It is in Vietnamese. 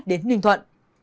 đến ninh thuận